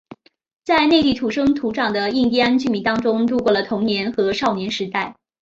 在内地土生土长的印第安居民当中度过了童年和少年时代。